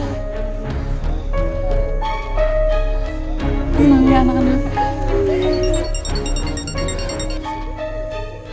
kenang ya anak anak